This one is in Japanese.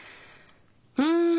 うん。